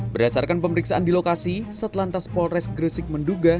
berdasarkan pemeriksaan di lokasi setelah antas polrest gresik menduga